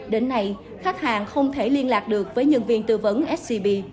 đến nay khách hàng không thể liên lạc được với nhân viên tư vấn scb